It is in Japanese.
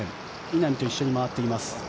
稲見と一緒に回っています。